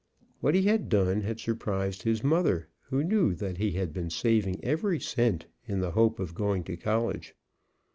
What he had done had surprised his mother, who knew that he had been saving every cent in the hope of going to college.